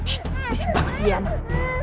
shh berisik banget sih dia anak